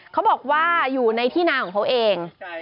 เขาบอกว่าอยู่ในที่นาของเขาเอง